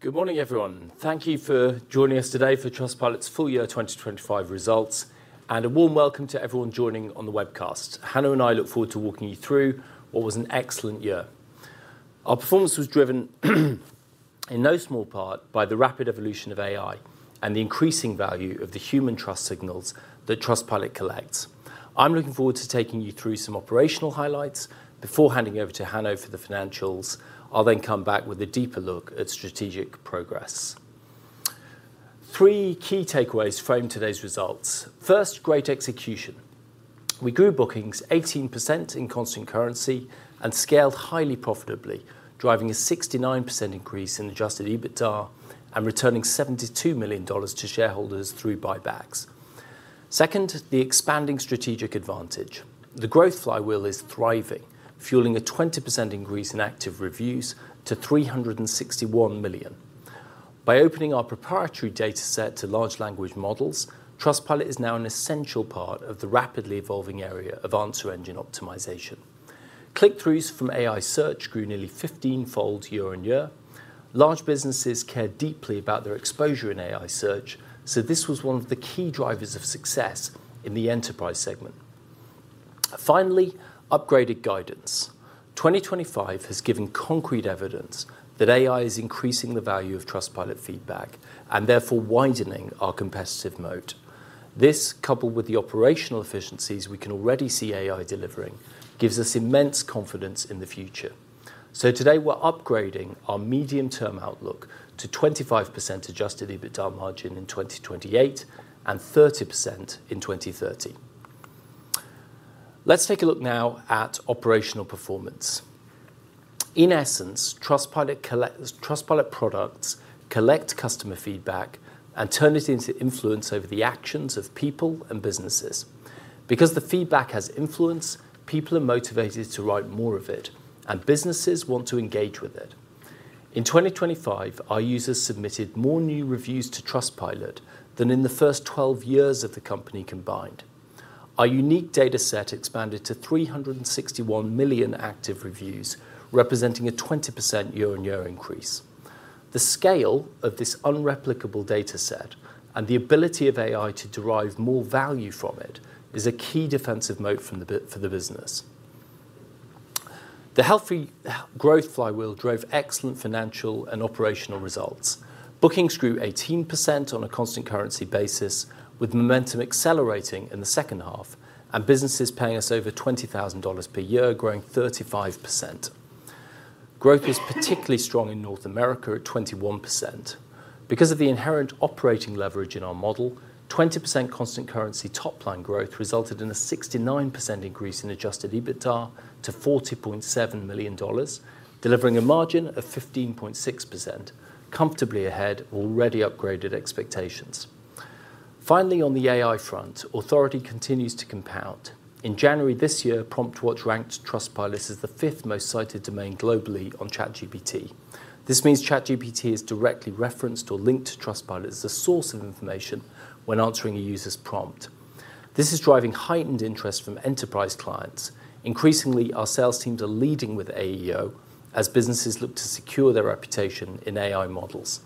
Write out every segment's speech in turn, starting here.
Good morning, everyone. Thank you for joining us today for Trustpilot's full year 2025 results, and a warm welcome to everyone joining on the webcast. Hanno and I look forward to walking you through what was an excellent year. Our performance was driven in no small part by the rapid evolution of AI and the increasing value of the human trust signals that Trustpilot collects. I'm looking forward to taking you through some operational highlights before handing over to Hanno for the financials. I'll then come back with a deeper look at strategic progress. Three key takeaways frame today's results. First, great execution. We grew bookings 18% in constant currency and scaled highly profitably, driving a 69% increase in Adjusted EBITDA and returning $72 million to shareholders through buybacks. Second, the expanding strategic advantage. The growth flywheel is thriving, fueling a 20% increase in active reviews to 361 million. By opening our proprietary dataset to large language models, Trustpilot is now an essential part of the rapidly evolving area of Answer Engine Optimization. Click-throughs from AI search grew nearly 15-fold year-on-year. Large businesses care deeply about their exposure in AI search, so this was one of the key drivers of success in the enterprise segment. Finally, upgraded guidance. 2025 has given concrete evidence that AI is increasing the value of Trustpilot feedback and therefore widening our competitive moat. This, coupled with the operational efficiencies we can already see AI delivering, gives us immense confidence in the future. Today we're upgrading our medium-term outlook to 25% Adjusted EBITDA margin in 2028 and 30% in 2030. Let's take a look now at operational performance. In essence, Trustpilot products collect customer feedback and turn it into influence over the actions of people and businesses. Because the feedback has influence, people are motivated to write more of it, and businesses want to engage with it. In 2025, our users submitted more new reviews to Trustpilot than in the first 12 years of the company combined. Our unique dataset expanded to 361 million active reviews, representing a 20% year-on-year increase. The scale of this unreplicable dataset and the ability of AI to derive more value from it is a key defensive moat for the business. The healthy growth flywheel drove excellent financial and operational results. Bookings grew 18% on a constant currency basis, with momentum accelerating in the second half and businesses paying us over $20,000 per year, growing 35%. Growth was particularly strong in North America at 21%. Because of the inherent operating leverage in our model, 20% constant currency top-line growth resulted in a 69% increase in Adjusted EBITDA to $40.7 million, delivering a margin of 15.6%, comfortably ahead already upgraded expectations. Finally, on the AI front, authority continues to compound. In January this year, Promptwatch ranked Trustpilot as the fifth most cited domain globally on ChatGPT. This means ChatGPT is directly referenced or linked to Trustpilot as a source of information when answering a user's prompt. This is driving heightened interest from enterprise clients. Increasingly, our sales teams are leading with AEO as businesses look to secure their reputation in AI models.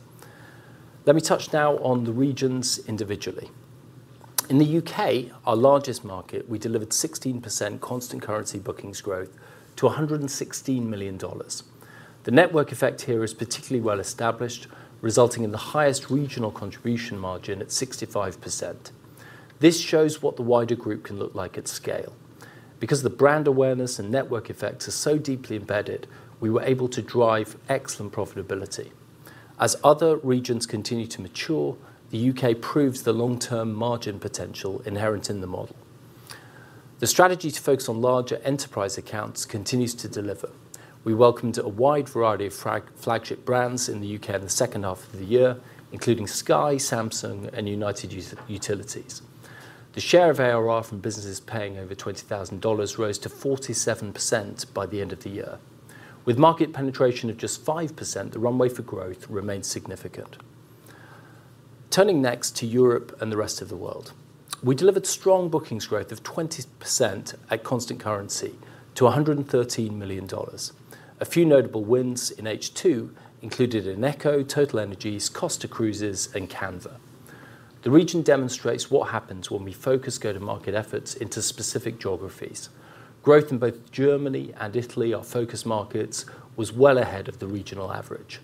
Let me touch now on the regions individually. In the U.K., our largest market, we delivered 16% constant currency bookings growth to $116 million. The network effect here is particularly well established, resulting in the highest regional contribution margin at 65%. This shows what the wider group can look like at scale. Because the brand awareness and network effects are so deeply embedded, we were able to drive excellent profitability. As other regions continue to mature, the U.K. proves the long-term margin potential inherent in the model. The strategy to focus on larger enterprise accounts continues to deliver. We welcomed a wide variety of flagship brands in the U.K. in the second half of the year, including Sky, Samsung, and United Utilities. The share of ARR from businesses paying over $20,000 rose to 47% by the end of the year. With market penetration of just 5%, the runway for growth remains significant. Turning next to Europe and the rest of the world. We delivered strong bookings growth of 20% at constant currency to $113 million. A few notable wins in H2 included Eneco, TotalEnergies, Costa Cruises, and Canva. The region demonstrates what happens when we focus go-to-market efforts into specific geographies. Growth in both Germany and Italy, our focus markets, was well ahead of the regional average.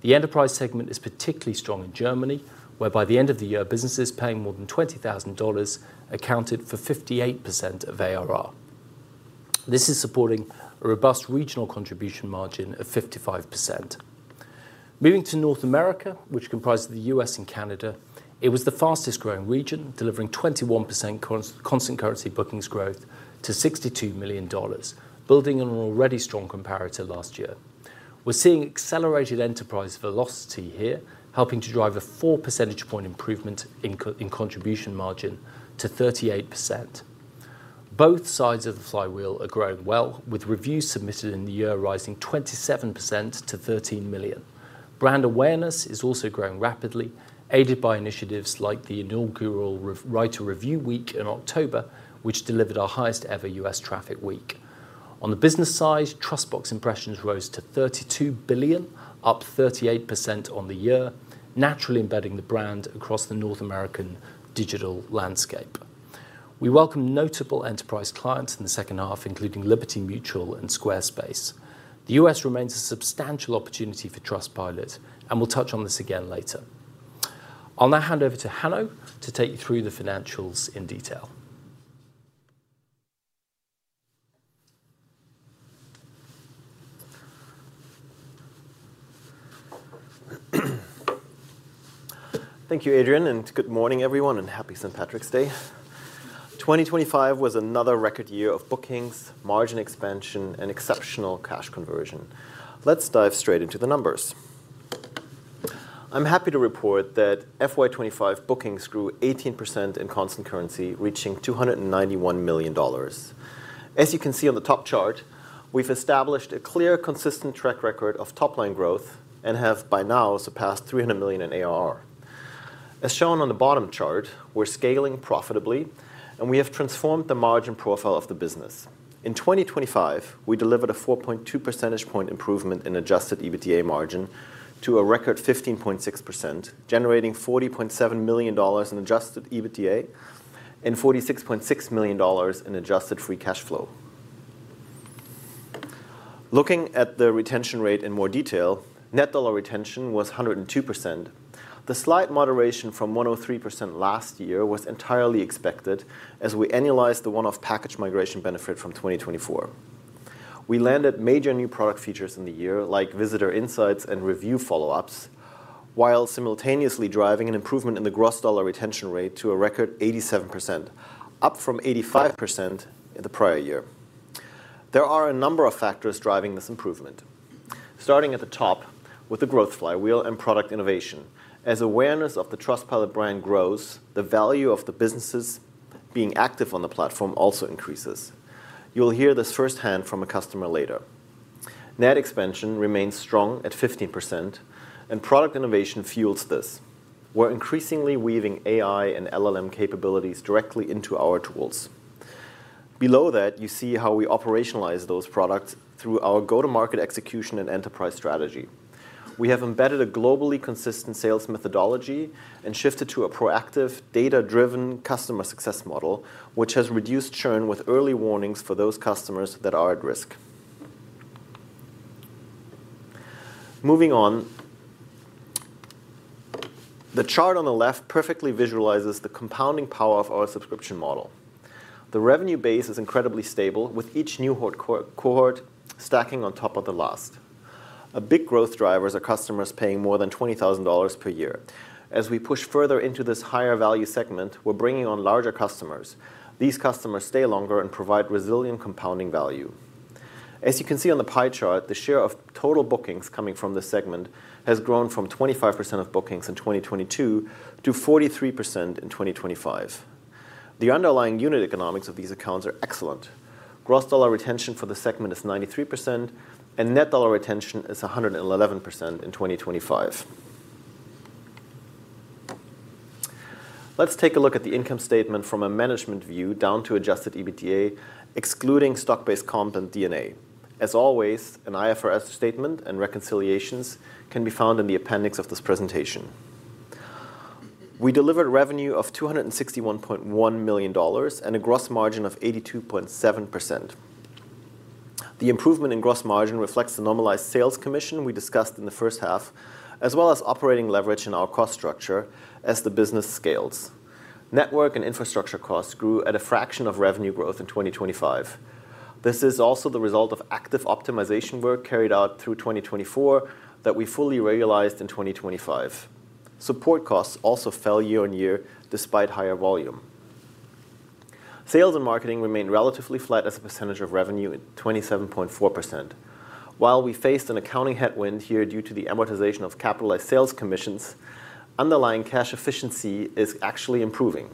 The enterprise segment is particularly strong in Germany, where by the end of the year, businesses paying more than $20,000 accounted for 58% of ARR. This is supporting a robust regional contribution margin of 55%. Moving to North America, which comprises the U.S. and Canada, it was the fastest-growing region, delivering 21% constant currency bookings growth to $62 million, building on an already strong comparator last year. We're seeing accelerated enterprise velocity here, helping to drive a 4 percentage point improvement in contribution margin to 38%. Both sides of the flywheel are growing well, with reviews submitted in the year rising 27% to 13 million. Brand awareness is also growing rapidly, aided by initiatives like the inaugural Write a Review Week in October, which delivered our highest ever U.S. traffic week. On the business side, TrustBox impressions rose to 32 billion, up 38% on the year, naturally embedding the brand across the North American digital landscape. We welcome notable enterprise clients in the second half, including Liberty Mutual and Squarespace. The U.S. remains a substantial opportunity for Trustpilot, and we'll touch on this again later. I'll now hand over to Hanno to take you through the financials in detail. Thank you, Adrian, and good morning everyone, and happy St. Patrick's Day. 2025 was another record year of bookings, margin expansion, and exceptional cash conversion. Let's dive straight into the numbers. I'm happy to report that FY 2025 bookings grew 18% in constant currency, reaching $291 million. As you can see on the top chart, we've established a clear, consistent track record of top-line growth and have, by now, surpassed $300 million in ARR. As shown on the bottom chart, we're scaling profitably, and we have transformed the margin profile of the business. In 2025, we delivered a 4.2 percentage point improvement in Adjusted EBITDA margin to a record 15.6%, generating $40.7 million in Adjusted EBITDA and $46.6 million in adjusted free cash flow. Looking at the retention rate in more detail, Net Dollar Retention was 102%. The slight moderation from 103% last year was entirely expected, as we annualized the one-off package migration benefit from 2024. We landed major new product features in the year, like Visitor Insights and Review follow-up, while simultaneously driving an improvement in the Gross Dollar Retention rate to a record 87%, up from 85% in the prior year. There are a number of factors driving this improvement. Starting at the top with the growth flywheel and product innovation. As awareness of the Trustpilot brand grows, the value of the businesses being active on the platform also increases. You'll hear this firsthand from a customer later. Net expansion remains strong at 15%, and product innovation fuels this. We're increasingly weaving AI and LLM capabilities directly into our tools. Below that, you see how we operationalize those products through our go-to-market execution and enterprise strategy. We have embedded a globally consistent sales methodology and shifted to a proactive, data-driven customer success model, which has reduced churn with early warnings for those customers that are at risk. Moving on, the chart on the left perfectly visualizes the compounding power of our subscription model. The revenue base is incredibly stable, with each new cohort stacking on top of the last. A big growth driver is our customers paying more than $20,000 per year. As we push further into this higher value segment, we're bringing on larger customers. These customers stay longer and provide resilient compounding value. As you can see on the pie chart, the share of total bookings coming from this segment has grown from 25% of bookings in 2022 to 43% in 2025. The underlying unit economics of these accounts are excellent. Gross Dollar Retention for the segment is 93%, and Net Dollar Retention is 111% in 2025. Let's take a look at the income statement from a management view down to Adjusted EBITDA, excluding stock-based comp and D&A. As always, an IFRS statement and reconciliations can be found in the appendix of this presentation. We delivered revenue of $261.1 million and a gross margin of 82.7%. The improvement in gross margin reflects the normalized sales commission we discussed in the first half, as well as operating leverage in our cost structure as the business scales. Network and infrastructure costs grew at a fraction of revenue growth in 2025. This is also the result of active optimization work carried out through 2024 that we fully realized in 2025. Support costs also fell year-on-year despite higher volume. Sales and marketing remained relatively flat as a percentage of revenue at 27.4%. While we faced an accounting headwind here due to the amortization of capitalized sales commissions, underlying cash efficiency is actually improving.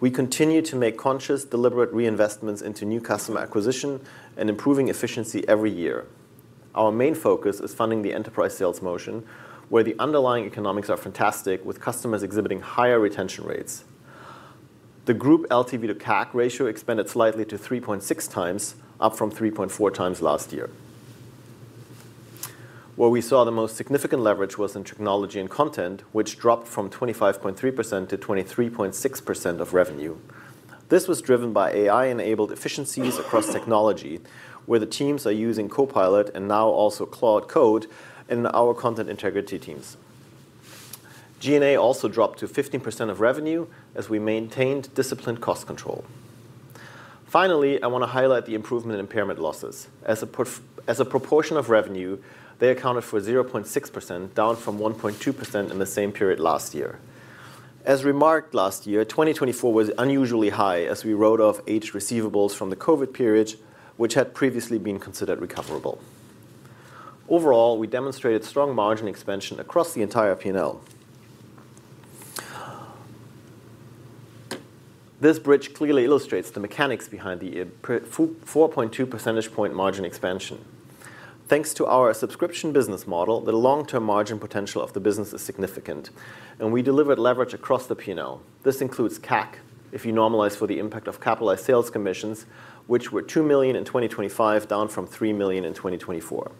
We continue to make conscious, deliberate reinvestments into new customer acquisition and improving efficiency every year. Our main focus is funding the enterprise sales motion, where the underlying economics are fantastic, with customers exhibiting higher retention rates. The group LTV to CAC ratio expanded slightly to 3.6x, up from 3.4x last year. Where we saw the most significant leverage was in technology and content, which dropped from 25.3%-23.6% of revenue. This was driven by AI-enabled efficiencies across technology, where the teams are using Copilot and now also Claude Code in our content integrity teams. G&A also dropped to 15% of revenue as we maintained disciplined cost control. Finally, I wanna highlight the improvement in impairment losses. As a proportion of revenue, they accounted for 0.6%, down from 1.2% in the same period last year. As remarked last year, 2024 was unusually high as we wrote off aged receivables from the COVID period, which had previously been considered recoverable. Overall, we demonstrated strong margin expansion across the entire P&L. This bridge clearly illustrates the mechanics behind the 4.2 percentage point margin expansion. Thanks to our subscription business model, the long-term margin potential of the business is significant, and we delivered leverage across the P&L. This includes CAC, if you normalize for the impact of capitalized sales commissions, which were 2 million in 2025, down from 3 million in 2024.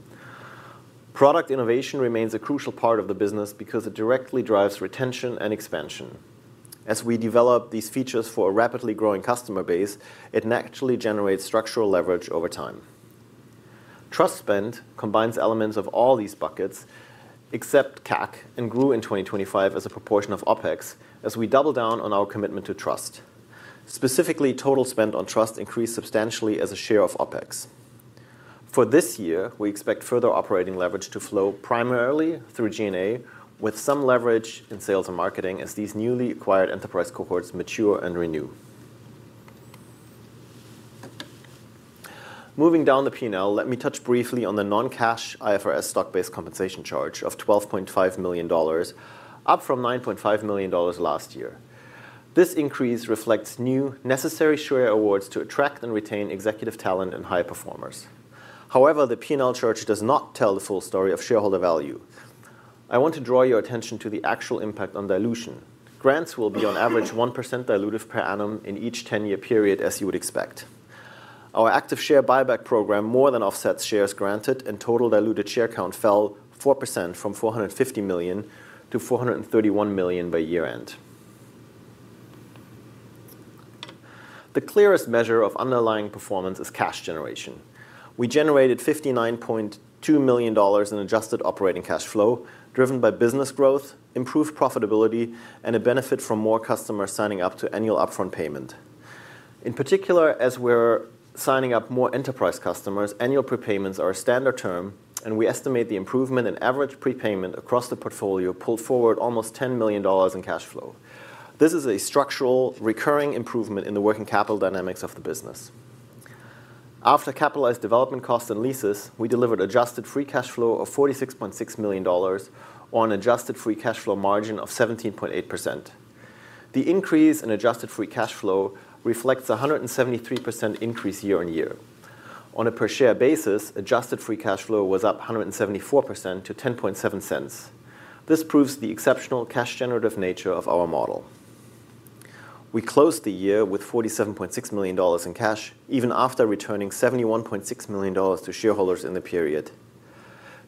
Product innovation remains a crucial part of the business because it directly drives retention and expansion. As we develop these features for a rapidly growing customer base, it naturally generates structural leverage over time. Trust spend combines elements of all these buckets, except CAC, and grew in 2025 as a proportion of OpEx, as we double down on our commitment to trust. Specifically, total spend on trust increased substantially as a share of OpEx. For this year, we expect further operating leverage to flow primarily through G&A, with some leverage in sales and marketing as these newly acquired enterprise cohorts mature and renew. Moving down the P&L, let me touch briefly on the non-cash IFRS stock-based compensation charge of $12.5 million, up from $9.5 million last year. This increase reflects new necessary share awards to attract and retain executive talent and high performers. However, the P&L charge does not tell the full story of shareholder value. I want to draw your attention to the actual impact on dilution. Grants will be on average 1% dilutive per annum in each 10-year period, as you would expect. Our active share buyback program more than offsets shares granted, and total diluted share count fell 4% from 450 million-431 million by year-end. The clearest measure of underlying performance is cash generation. We generated $59.2 million in adjusted operating cash flow, driven by business growth, improved profitability, and a benefit from more customers signing up to annual upfront payment. In particular, as we're signing up more enterprise customers, annual prepayments are a standard term, and we estimate the improvement in average prepayment across the portfolio pulled forward almost $10 million in cash flow. This is a structural recurring improvement in the working capital dynamics of the business. After capitalized development costs and leases, we delivered adjusted free cash flow of $46.6 million on adjusted free cash flow margin of 17.8%. The increase in adjusted free cash flow reflects a 173% increase year-on-year. On a per share basis, adjusted free cash flow was up 174% to $0.107. This proves the exceptional cash generative nature of our model. We closed the year with $47.6 million in cash, even after returning $71.6 million to shareholders in the period.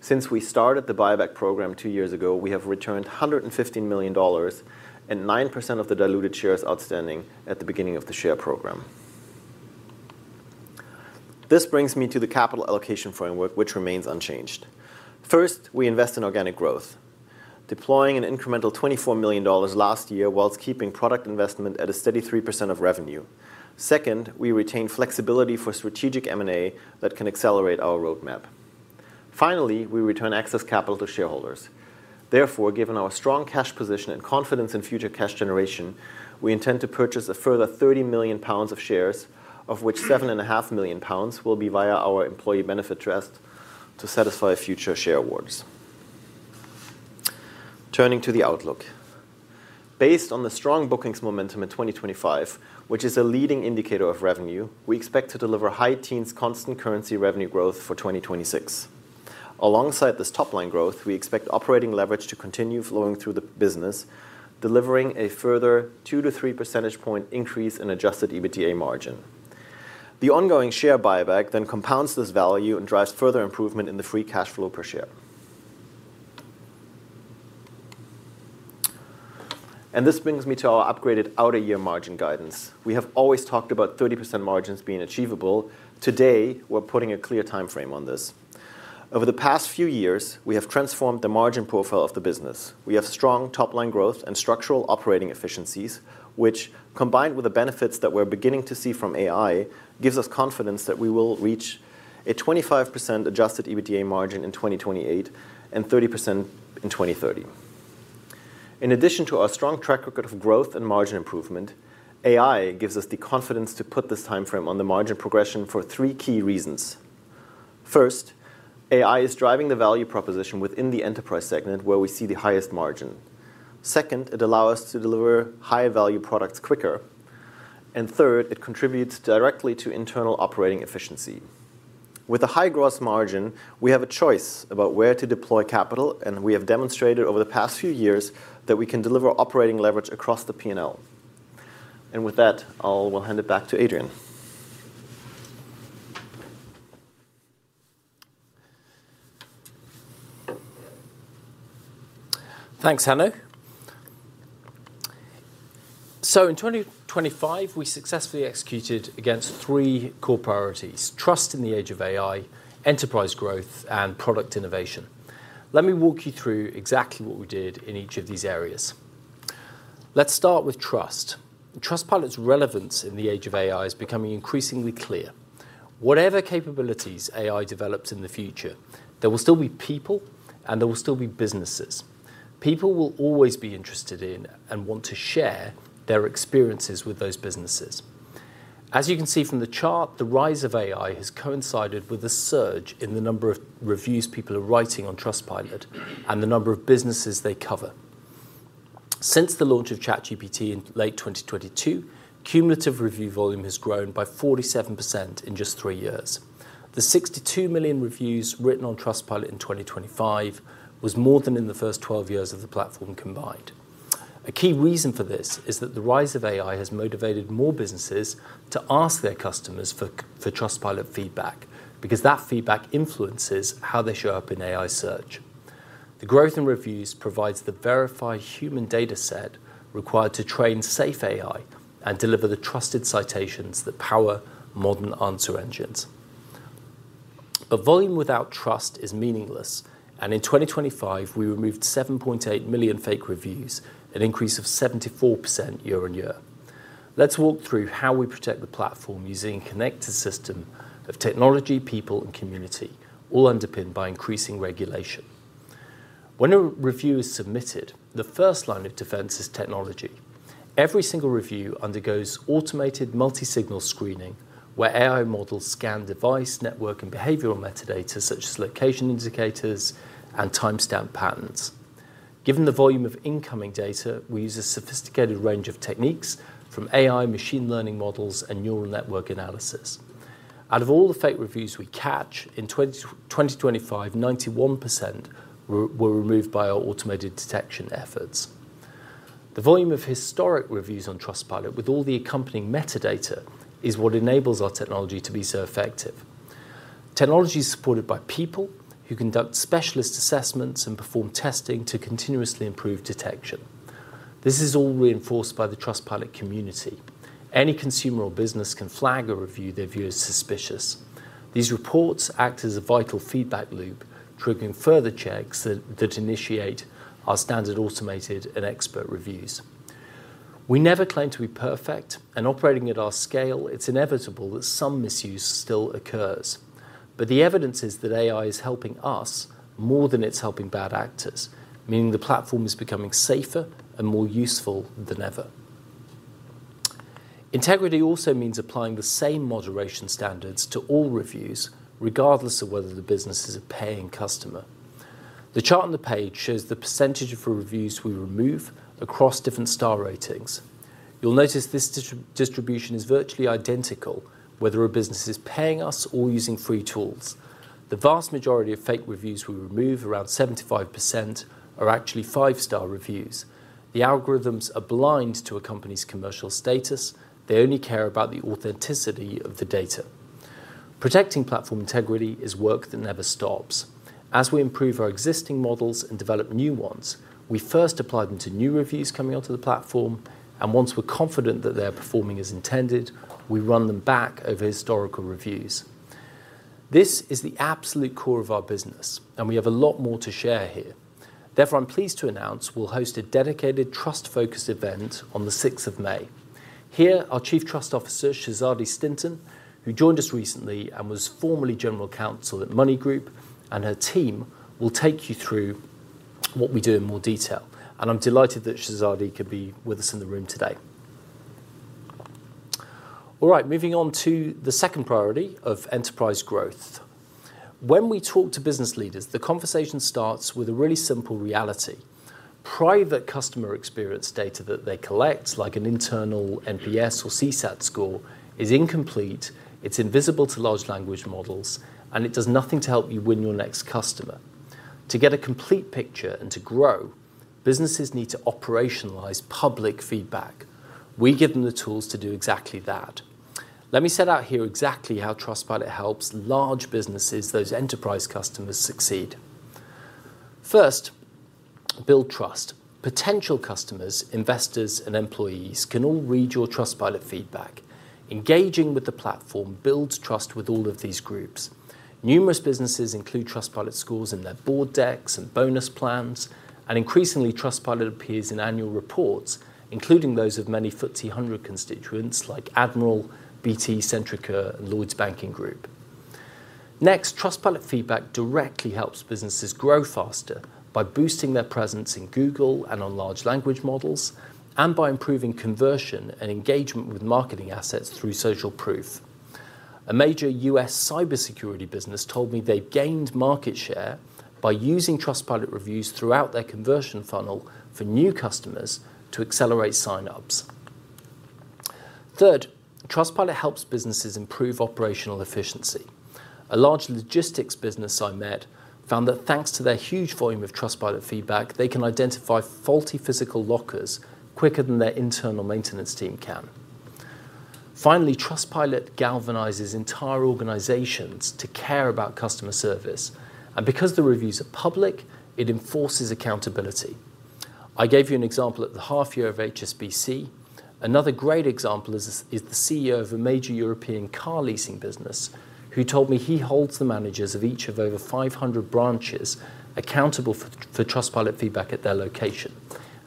Since we started the buyback program two years ago, we have returned $115 million and 9% of the diluted shares outstanding at the beginning of the share program. This brings me to the capital allocation framework, which remains unchanged. First, we invest in organic growth, deploying an incremental $24 million last year while keeping product investment at a steady 3% of revenue. Second, we retain flexibility for strategic M&A that can accelerate our roadmap. Finally, we return excess capital to shareholders. Therefore, given our strong cash position and confidence in future cash generation, we intend to purchase a further 30 million pounds of shares, of which 7.5 million pounds will be via our employee benefit trust to satisfy future share awards. Turning to the outlook. Based on the strong bookings momentum in 2025, which is a leading indicator of revenue, we expect to deliver high teens constant currency revenue growth for 2026. Alongside this top line growth, we expect operating leverage to continue flowing through the business, delivering a further 2-3 percentage point increase in Adjusted EBITDA margin. The ongoing share buyback then compounds this value and drives further improvement in the free cash flow per share. This brings me to our upgraded out-year margin guidance. We have always talked about 30% margins being achievable. Today, we're putting a clear timeframe on this. Over the past few years, we have transformed the margin profile of the business. We have strong top-line growth and structural operating efficiencies, which, combined with the benefits that we're beginning to see from AI, gives us confidence that we will reach a 25% Adjusted EBITDA margin in 2028 and 30% in 2030. In addition to our strong track record of growth and margin improvement, AI gives us the confidence to put this timeframe on the margin progression for three key reasons. First, AI is driving the value proposition within the enterprise segment where we see the highest margin. Second, it allow us to deliver higher value products quicker. Third, it contributes directly to internal operating efficiency. With a high gross margin, we have a choice about where to deploy capital, and we have demonstrated over the past few years that we can deliver operating leverage across the P&L. With that, I'll hand it back to Adrian. Thanks, Hanno. In 2025, we successfully executed against three core priorities: trust in the age of AI, enterprise growth, and product innovation. Let me walk you through exactly what we did in each of these areas. Let's start with trust. Trustpilot's relevance in the age of AI is becoming increasingly clear. Whatever capabilities AI develops in the future, there will still be people and there will still be businesses. People will always be interested in and want to share their experiences with those businesses. As you can see from the chart, the rise of AI has coincided with a surge in the number of reviews people are writing on Trustpilot and the number of businesses they cover. Since the launch of ChatGPT in late 2022, cumulative review volume has grown by 47% in just three years. The 62 million reviews written on Trustpilot in 2025 was more than in the first 12 years of the platform combined. A key reason for this is that the rise of AI has motivated more businesses to ask their customers for Trustpilot feedback because that feedback influences how they show up in AI search. The growth in reviews provides the verified human data set required to train safe AI and deliver the trusted citations that power modern answer engines. Volume without trust is meaningless, and in 2025 we removed 7.8 million fake reviews, an increase of 74% year-on-year. Let's walk through how we protect the platform using connected system of technology, people and community, all underpinned by increasing regulation. When a review is submitted, the first line of defense is technology. Every single review undergoes automated multi-signal screening, where AI models scan device, network, and behavioral metadata such as location indicators and timestamp patterns. Given the volume of incoming data, we use a sophisticated range of techniques from AI machine learning models and neural network analysis. Out of all the fake reviews we catch, in 2025, 91% were removed by our automated detection efforts. The volume of historic reviews on Trustpilot with all the accompanying metadata is what enables our technology to be so effective. Technology is supported by people who conduct specialist assessments and perform testing to continuously improve detection. This is all reinforced by the Trustpilot community. Any consumer or business can flag a review they view as suspicious. These reports act as a vital feedback loop, triggering further checks that initiate our standard automated and expert reviews. We never claim to be perfect, and operating at our scale, it's inevitable that some misuse still occurs. The evidence is that AI is helping us more than it's helping bad actors, meaning the platform is becoming safer and more useful than ever. Integrity also means applying the same moderation standards to all reviews, regardless of whether the business is a paying customer. The chart on the page shows the percentage of reviews we remove across different star ratings. You'll notice this distribution is virtually identical whether a business is paying us or using free tools. The vast majority of fake reviews we remove, around 75%, are actually five-star reviews. The algorithms are blind to a company's commercial status. They only care about the authenticity of the data. Protecting platform integrity is work that never stops. As we improve our existing models and develop new ones, we first apply them to new reviews coming onto the platform, and once we're confident that they're performing as intended, we run them back over historical reviews. This is the absolute core of our business, and we have a lot more to share here. Therefore, I'm pleased to announce we'll host a dedicated trust-focused event on the 6th of May. Here, our Chief Trust Officer, Shazadi Stinton, who joined us recently and was formerly General Counsel at MONY Group, and her team will take you through what we do in more detail. I'm delighted that Shazadi could be with us in the room today. All right, moving on to the second priority of enterprise growth. When we talk to business leaders, the conversation starts with a really simple reality. Private customer experience data that they collect, like an internal NPS or CSAT score, is incomplete, it's invisible to large language models, and it does nothing to help you win your next customer. To get a complete picture and to grow, businesses need to operationalize public feedback. We give them the tools to do exactly that. Let me set out here exactly how Trustpilot helps large businesses, those enterprise customers, succeed. First, build trust. Potential customers, investors, and employees can all read your Trustpilot feedback. Engaging with the platform builds trust with all of these groups. Numerous businesses include Trustpilot scores in their board decks and bonus plans, and increasingly, Trustpilot appears in annual reports, including those of many FTSE 100 constituents like Admiral, BT, Centrica, and Lloyds Banking Group. Next, Trustpilot feedback directly helps businesses grow faster by boosting their presence in Google and on large language models, and by improving conversion and engagement with marketing assets through social proof. A major U.S. cybersecurity business told me they gained market share by using Trustpilot reviews throughout their conversion funnel for new customers to accelerate sign-ups. Third, Trustpilot helps businesses improve operational efficiency. A large logistics business I met found that thanks to their huge volume of Trustpilot feedback, they can identify faulty physical lockers quicker than their internal maintenance team can. Finally, Trustpilot galvanizes entire organizations to care about customer service, and because the reviews are public, it enforces accountability. I gave you an example at the half year of HSBC. Another great example is the CEO of a major European car leasing business who told me he holds the managers of each of over 500 branches accountable for Trustpilot feedback at their location,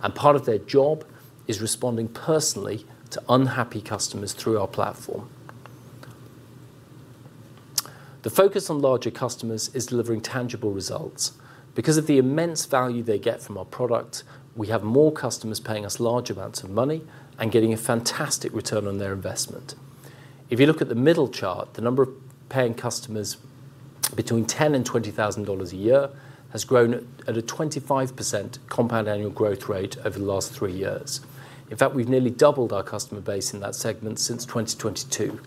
and part of their job is responding personally to unhappy customers through our platform. The focus on larger customers is delivering tangible results. Because of the immense value they get from our product, we have more customers paying us large amounts of money and getting a fantastic return on their investment. If you look at the middle chart, the number of paying customers between $10,000 and $20,000 a year has grown at a 25% compound annual growth rate over the last three years. In fact, we've nearly doubled our customer base in that segment since 2022.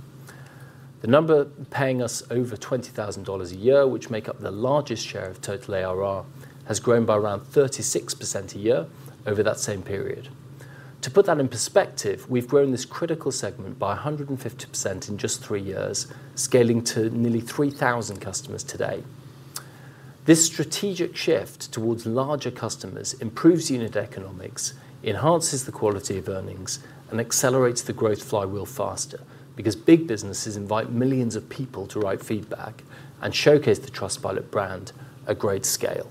The number paying us over $20,000 a year, which make up the largest share of total ARR, has grown by around 36% a year over that same period. To put that in perspective, we've grown this critical segment by 150% in just three years, scaling to nearly 3,000 customers today. This strategic shift towards larger customers improves unit economics, enhances the quality of earnings, and accelerates the growth flywheel faster because big businesses invite millions of people to write feedback and showcase the Trustpilot brand at great scale.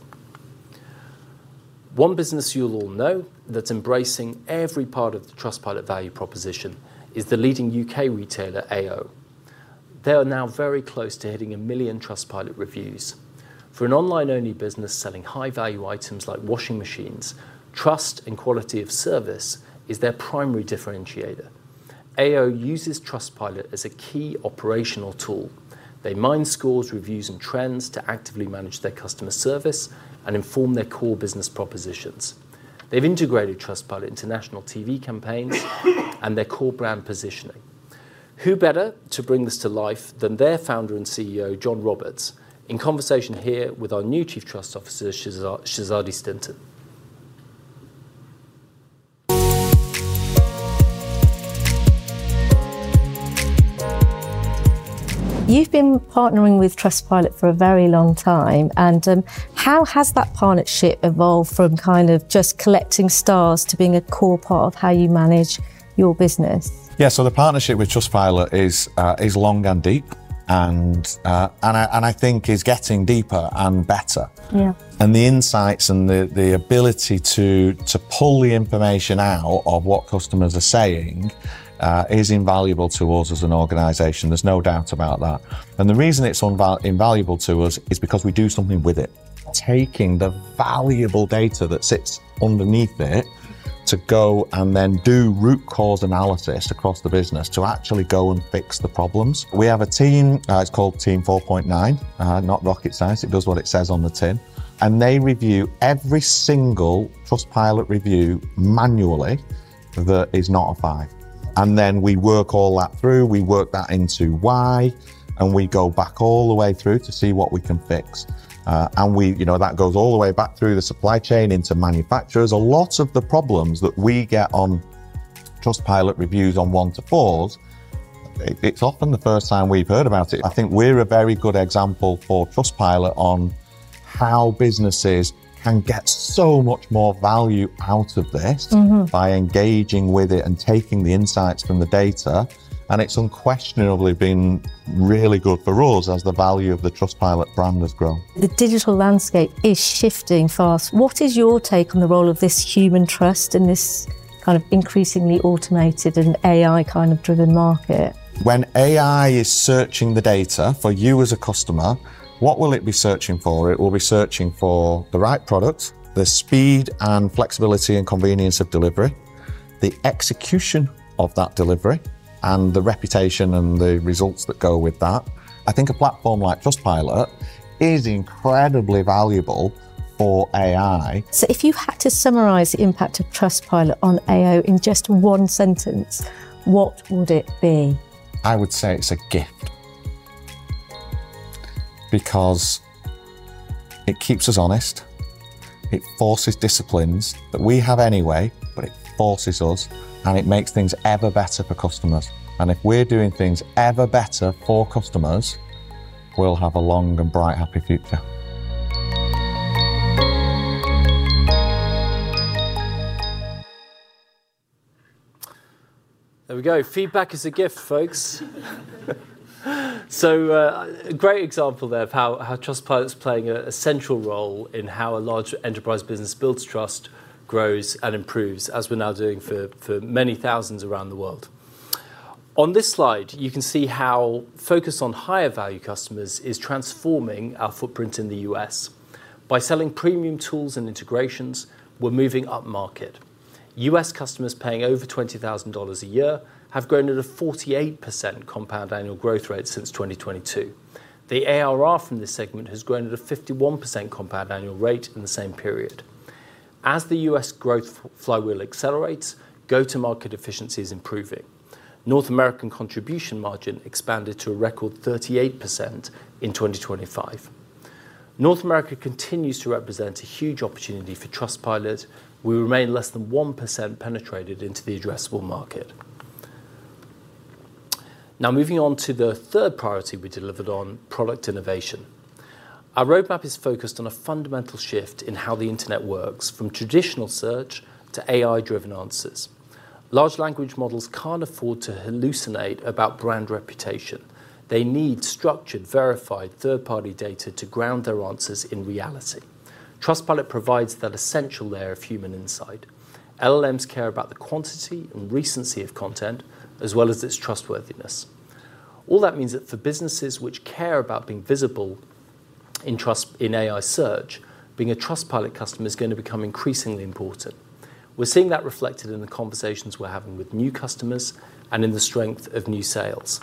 One business you'll all know that's embracing every part of the Trustpilot value proposition is the leading U.K. retailer, AO. They are now very close to hitting 1 million Trustpilot reviews. For an online-only business selling high-value items like washing machines, trust and quality of service is their primary differentiator. AO uses Trustpilot as a key operational tool. They mine scores, reviews, and trends to actively manage their customer service and inform their core business propositions. They've integrated Trustpilot into national TV campaigns and their core brand positioning. Who better to bring this to life than their founder and CEO, John Roberts, in conversation here with our new Chief Trust Officer, Shazadi Stinton? You've been partnering with Trustpilot for a very long time. How has that partnership evolved from kind of just collecting stars to being a core part of how you manage your business? Yeah. The partnership with Trustpilot is long and deep, and I think is getting deeper and better. Yeah. The insights and the ability to pull the information out of what customers are saying is invaluable to us as an organization. There's no doubt about that. The reason it's invaluable to us is because we do something with it. Taking the valuable data that sits underneath it to go and then do root cause analysis across the business to actually go and fix the problems. We have a team, it's called Team 4.9. Not rocket science. It does what it says on the tin. They review every single Trustpilot review manually that is not a five. Then we work all that through. We work that into why, and we go back all the way through to see what we can fix. You know, that goes all the way back through the supply chain into manufacturers. A lot of the problems that we get on Trustpilot reviews on 1-4s, it's often the first time we've heard about it. I think we're a very good example for Trustpilot on how businesses can get so much more value out of this. Mm-hmm... by engaging with it and taking the insights from the data, and it's unquestionably been really good for us as the value of the Trustpilot brand has grown. The digital landscape is shifting fast. What is your take on the role of this human trust in this kind of increasingly automated and AI kind of driven market? When AI is searching the data for you as a customer, what will it be searching for? It will be searching for the right product, the speed and flexibility and convenience of delivery, the execution of that delivery, and the reputation and the results that go with that. I think a platform like Trustpilot is incredibly valuable for AI. If you had to summarize the impact of Trustpilot on AO in just one sentence, what would it be? I would say it's a gift because it keeps us honest, it forces disciplines that we have anyway, but it forces us, and it makes things ever better for customers. If we're doing things ever better for customers, we'll have a long and bright, happy future. There we go. Feedback is a gift, folks. A great example there of how Trustpilot's playing a central role in how a large enterprise business builds trust, grows, and improves, as we're now doing for many thousands around the world. On this slide, you can see how focus on higher value customers is transforming our footprint in the U.S. By selling premium tools and integrations, we're moving up market. U.S. customers paying over $20,000 a year have grown at a 48% compound annual growth rate since 2022. The ARR from this segment has grown at a 51% compound annual rate in the same period. As the U.S. growth flywheel accelerates, go-to-market efficiency is improving. North American contribution margin expanded to a record 38% in 2025. North America continues to represent a huge opportunity for Trustpilot. We remain less than 1% penetrated into the addressable market. Now, moving on to the third-party we delivered on. Product innovation. Our roadmap is focused on a fundamental shift in how the internet works, from traditional search to AI-driven answers. Large language models can't afford to hallucinate about brand reputation. They need structured, verified third-party data to ground their answers in reality. Trustpilot provides that essential layer of human insight. LLMs care about the quantity and recency of content, as well as its trustworthiness. All that means that for businesses which care about being visible in trust in AI search, being a Trustpilot customer is going to become increasingly important. We are seeing that reflected in the conversations we are having with new customers and in the strength of new sales.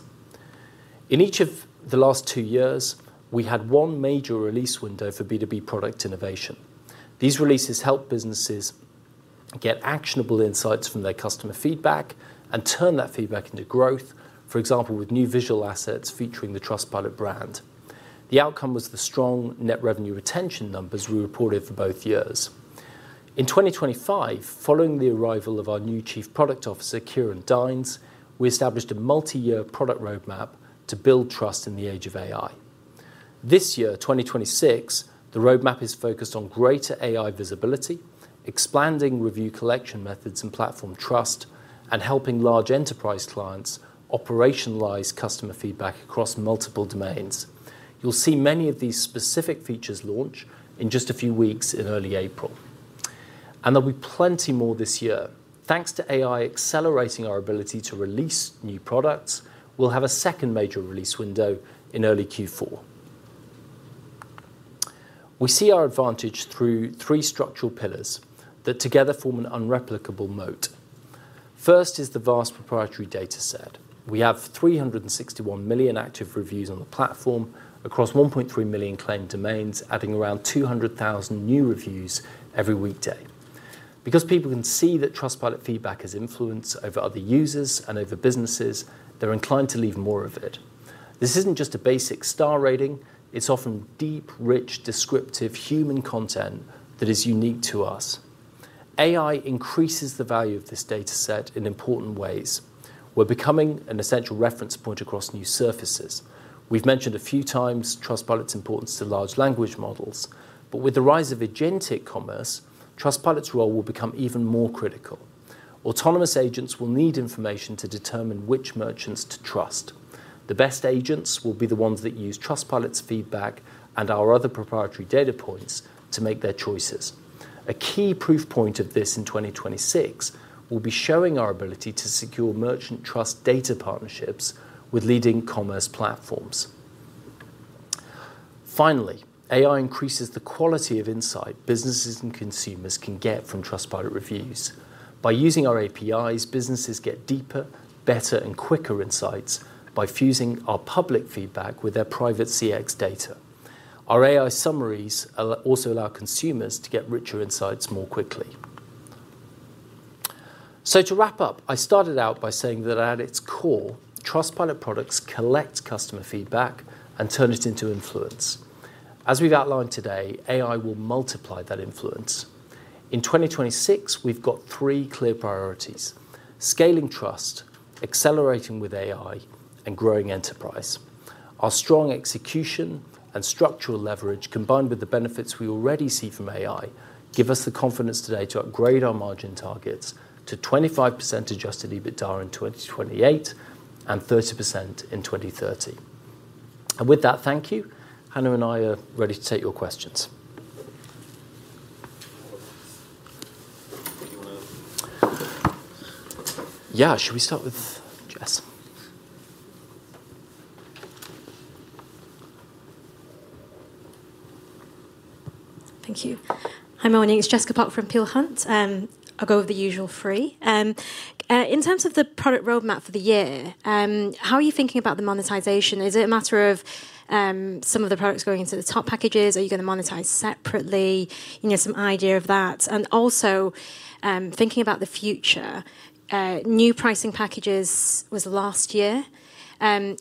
In each of the last two years, we had one major release window for B2B product innovation. These releases help businesses get actionable insights from their customer feedback and turn that feedback into growth, for example, with new visual assets featuring the Trustpilot brand. The outcome was the strong net revenue retention numbers we reported for both years. In 2025, following the arrival of our new Chief Product Officer, Kieran Dines, we established a multi-year product roadmap to build trust in the age of AI. This year, 2026, the roadmap is focused on greater AI visibility, expanding review collection methods and platform trust, and helping large enterprise clients operationalize customer feedback across multiple domains. You'll see many of these specific features launch in just a few weeks in early April, and there'll be plenty more this year. Thanks to AI accelerating our ability to release new products, we'll have a second major release window in early Q4. We see our advantage through three structural pillars that together form an unreplicable moat. First is the vast proprietary data set. We have 361 million active reviews on the platform across 1.3 million claimed domains, adding around 200,000 new reviews every weekday. Because people can see that Trustpilot feedback has influence over other users and over businesses, they're inclined to leave more of it. This isn't just a basic star rating, it's often deep, rich, descriptive human content that is unique to us. AI increases the value of this data set in important ways. We're becoming an essential reference point across new surfaces. We've mentioned a few times Trustpilot's importance to large language models, but with the rise of agentic commerce, Trustpilot's role will become even more critical. Autonomous agents will need information to determine which merchants to trust. The best agents will be the ones that use Trustpilot's feedback and our other proprietary data points to make their choices. A key proof point of this in 2026 will be showing our ability to secure merchant trust data partnerships with leading commerce platforms. Finally, AI increases the quality of insight businesses and consumers can get from Trustpilot reviews. By using our APIs, businesses get deeper, better, and quicker insights by fusing our public feedback with their private CX data. Our AI summaries also allow consumers to get richer insights more quickly. To wrap up, I started out by saying that at its core, Trustpilot products collect customer feedback and turn it into influence. As we've outlined today, AI will multiply that influence. In 2026, we've got three clear priorities, scaling trust, accelerating with AI, and growing enterprise. Our strong execution and structural leverage, combined with the benefits we already see from AI, give us the confidence today to upgrade our margin targets to 25% Adjusted EBITDA in 2028 and 30% in 2030. With that, thank you. Hanno and I are ready to take your questions. Do you wanna- Yeah. Should we start with Jess? Thank you. Hi, morning. It's Jessica Pok from Peel Hunt. I'll go with the usual three. In terms of the product roadmap for the year, how are you thinking about the monetization? Is it a matter of, some of the products going into the top packages? Are you gonna monetize separately? You know, some idea of that. Also, thinking about the future, new pricing packages was last year.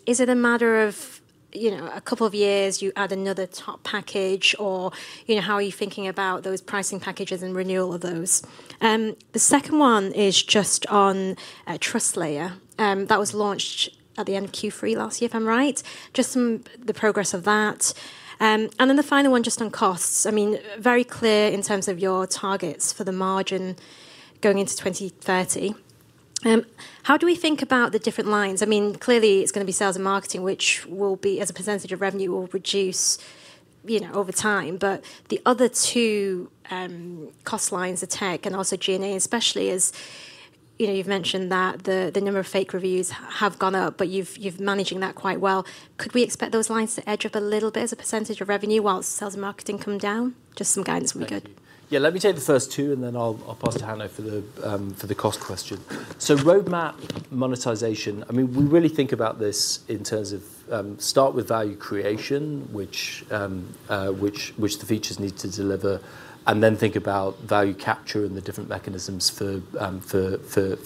Is it a matter of, you know, a couple of years, you add another top package? Or, you know, how are you thinking about those pricing packages and renewal of those? The second one is just on, TrustLayer, that was launched at the end of Q3 last year, if I'm right. Just some the progress of that. Then the final one, just on costs. I mean, very clear in terms of your targets for the margin going into 2030. How do we think about the different lines? I mean, clearly it's gonna be sales and marketing, which will be, as a percentage of revenue, will reduce, you know, over time. But the other two cost lines are tech and also G&A, especially as, you know, you've mentioned that the number of fake reviews have gone up, but you're managing that quite well. Could we expect those lines to edge up a little bit as a percentage of revenue while sales and marketing come down? Just some guidance would be good. Yeah. Let me take the first two, and then I'll pass to Hanno for the cost question. Roadmap monetization. I mean, we really think about this in terms of start with value creation, which the features need to deliver, and then think about value capture and the different mechanisms for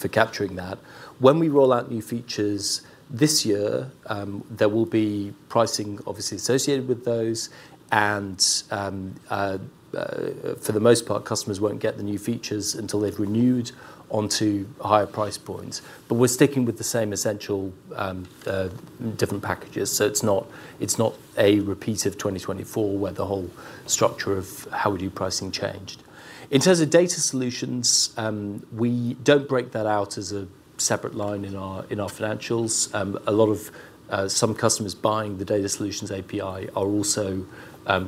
capturing that. When we roll out new features this year, there will be pricing obviously associated with those and, for the most part, customers won't get the new features until they've renewed onto higher price points. We're sticking with the same essential different packages, so it's not a repeat of 2024, where the whole structure of how we do pricing changed. In terms of data solutions, we don't break that out as a separate line in our financials. A lot of some customers buying the data solutions API are also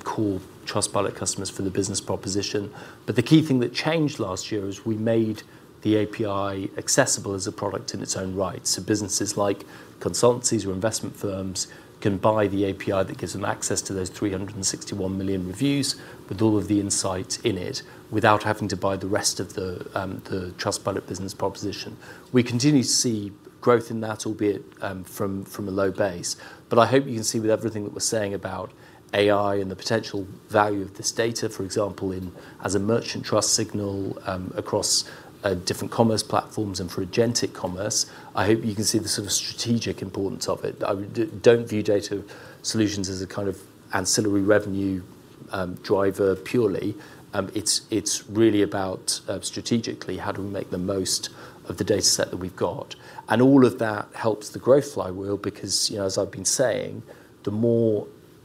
core Trustpilot customers for the business proposition. The key thing that changed last year is we made the API accessible as a product in its own right. Businesses like consultancies or investment firms can buy the API that gives them access to those 361 million reviews with all of the insight in it without having to buy the rest of the Trustpilot business proposition. We continue to see growth in that, albeit from a low base. I hope you can see with everything that we're saying about AI and the potential value of this data, for example, in as a merchant trust signal, across different commerce platforms and for agentic commerce, I hope you can see the sort of strategic importance of it. I don't view data solutions as a kind of ancillary revenue driver purely. It's really about strategically how do we make the most of the dataset that we've got. All of that helps the growth flywheel because, you know, as I've been saying, the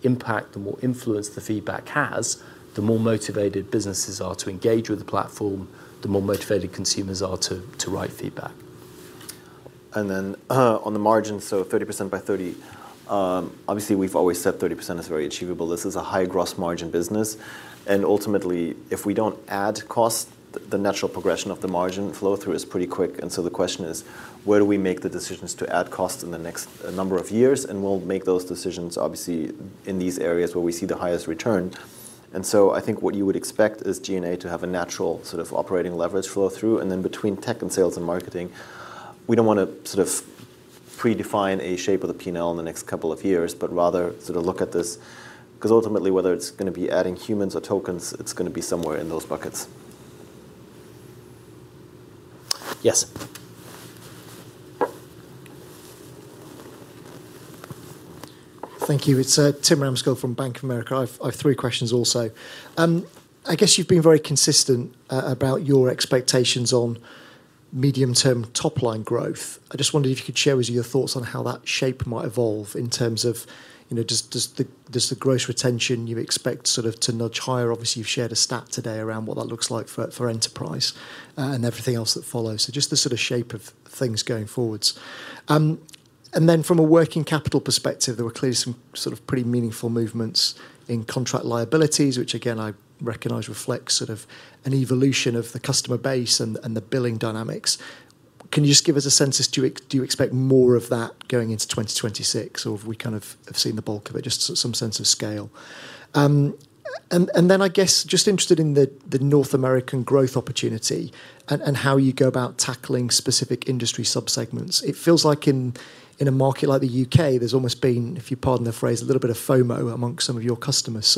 more impact, the more influence the feedback has, the more motivated businesses are to engage with the platform, the more motivated consumers are to write feedback. On the margin, so 30% by 30. Obviously we've always said 30% is very achievable. This is a high gross margin business. Ultimately, if we don't add cost, the natural progression of the margin flow through is pretty quick. The question is: Where do we make the decisions to add cost in the next number of years? We'll make those decisions obviously in these areas where we see the highest return. I think what you would expect is G&A to have a natural sort of operating leverage flow through. Between tech and sales and marketing, we don't wanna sort of predefine a shape of the P&L in the next couple of years, but rather sort of look at this. 'Cause ultimately, whether it's gonna be adding humans or tokens, it's gonna be somewhere in those buckets. Yes. Thank you. It's Tim Ramskill from Bank of America. I've three questions also. I guess you've been very consistent about your expectations on medium-term top line growth. I just wondered if you could share your thoughts on how that shape might evolve in terms of, you know, does the gross retention you expect sort of to nudge higher? Obviously, you've shared a stat today around what that looks like for enterprise and everything else that follows. So just the sort of shape of things going forwards. And then from a working capital perspective, there were clearly some sort of pretty meaningful movements in contract liabilities, which again, I recognize reflects sort of an evolution of the customer base and the billing dynamics. Can you just give us a sense as to do you expect more of that going into 2026, or have we kind of seen the bulk of it, just some sense of scale? And then I guess just interested in the North American growth opportunity and how you go about tackling specific industry subsegments. It feels like in a market like the U.K., there's almost been, if you pardon the phrase, a little bit of FOMO amongst some of your customers.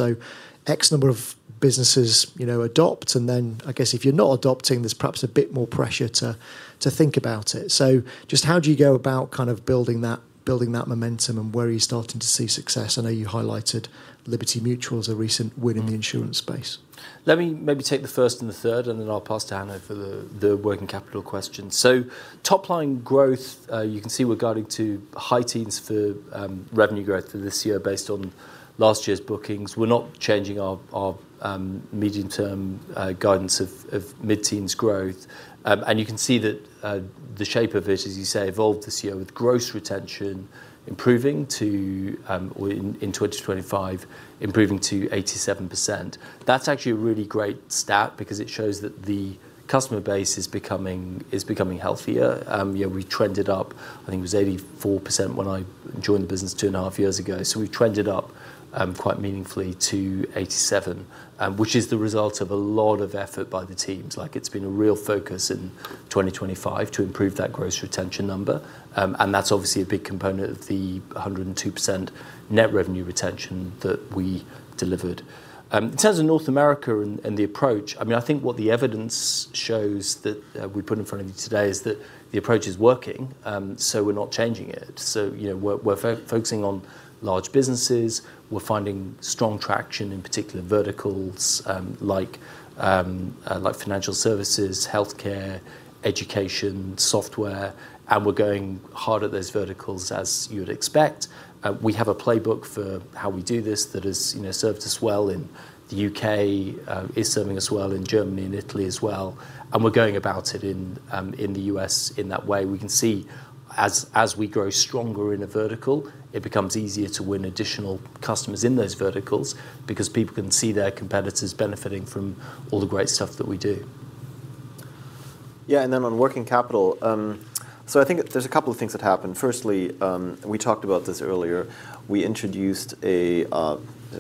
X number of businesses, you know, adopt, and then I guess if you're not adopting, there's perhaps a bit more pressure to think about it. Just how do you go about kind of building that momentum, and where are you starting to see success? I know you highlighted Liberty Mutual as a recent win in the insurance space. Let me maybe take the first and the third, and then I'll pass to Hanno for the working capital question. Top line growth, you can see we're guiding to high teens for revenue growth for this year based on last year's bookings. We're not changing our medium-term guidance of mid-teens growth. You can see that the shape of it, as you say, evolved this year with gross retention improving to in 2025 improving to 87%. That's actually a really great stat because it shows that the customer base is becoming healthier. You know, we trended up, I think it was 84% when I joined the business two and a half years ago. We've trended up, quite meaningfully to 87, which is the result of a lot of effort by the teams. Like, it's been a real focus in 2025 to improve that gross retention number. That's obviously a big component of the 102% net revenue retention that we delivered. In terms of North America and the approach, I mean, I think what the evidence shows that we put in front of you today is that the approach is working, so we're not changing it. You know, we're focusing on large businesses. We're finding strong traction in particular verticals, like financial services, healthcare, education, software, and we're going hard at those verticals, as you would expect. We have a playbook for how we do this that has, you know, served us well in the U.K., is serving us well in Germany and Italy as well, and we're going about it in the U.S. in that way. We can see as we grow stronger in a vertical, it becomes easier to win additional customers in those verticals because people can see their competitors benefiting from all the great stuff that we do. Yeah. Then on working capital, I think there's a couple of things that happened. Firstly, we talked about this earlier. We introduced a